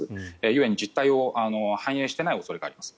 故に実態を反映していない恐れがあります。